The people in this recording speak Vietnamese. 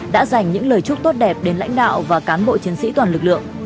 đã dành những lời chúc tốt đẹp đến lãnh đạo và cán bộ chiến sĩ toàn lực lượng